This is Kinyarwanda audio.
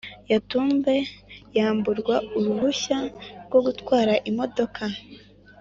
Yatumbe yamburwa uruhushya rwo gutwara imodoka